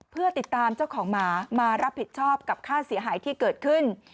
เพื่อติดตามเจ้าของหมามารับผิดชอบกับค่าเสียหายที่เกิดขึ้น